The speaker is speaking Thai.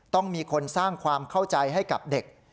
ต้องมีคนสร้างความเข้าใจให้กับเด็ก